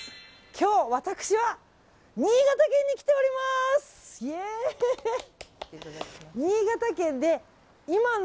今日、私は新潟県に来ております！